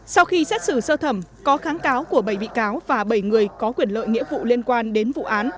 sau khi xét xử sơ thẩm có kháng cáo của bảy bị cáo và bảy người có quyền lợi nghĩa vụ liên quan đến vụ án